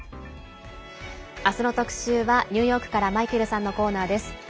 明日の特集はニューヨークからマイケルさんのコーナーです。